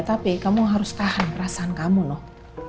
tapi kamu harus tahan perasaan kamu loh